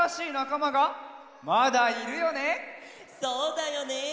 そうだよね。